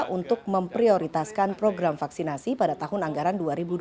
untuk memprioritaskan program vaksinasi pada tahun anggaran dua ribu dua puluh